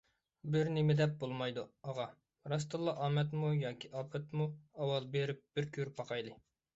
بىرنېمىدەپ بولمايدۇ، ئاغا، راستتىنلا ئامەتمۇ ياكى ئاپەتمۇ، ئاۋۋال بېرىپ بىر كۆرۈپ باقايلى.